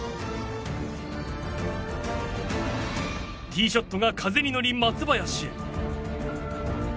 ティーショットが風に乗り松林へ。